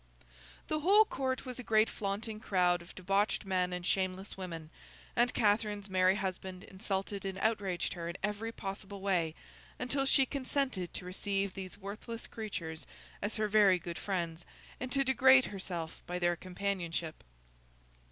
The whole Court was a great flaunting crowd of debauched men and shameless women; and Catherine's merry husband insulted and outraged her in every possible way, until she consented to receive those worthless creatures as her very good friends, and to degrade herself by their companionship.